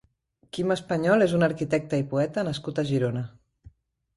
Quim Español és un arquitecte i poeta nascut a Girona.